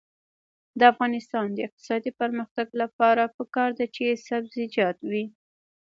د افغانستان د اقتصادي پرمختګ لپاره پکار ده چې سبزیجات وي.